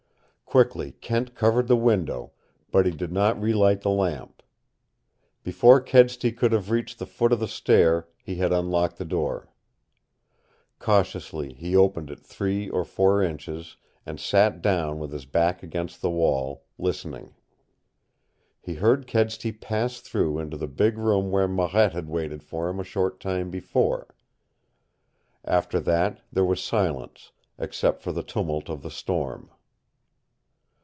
Quickly Kent covered the window, but he did not relight the lamp. Before Kedsty could have reached the foot of the stair, he had unlocked the door. Cautiously he opened it three or four inches and sat down with his back against the wall, listening. He heard Kedsty pass through into the big room where Marette had waited for him a short time before. After that there was silence except for the tumult of the storm.